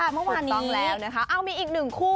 เมื่อวานนี้ต้องแล้วนะคะเอามีอีกหนึ่งคู่